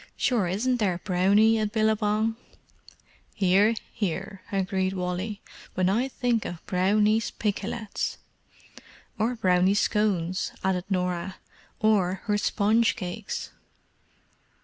"Sure isn't there Brownie at Billabong?" "Hear, hear!" agreed Wally. "When I think of Brownie's pikelets——" "Or Brownie's scones," added Norah. "Or her sponge cakes."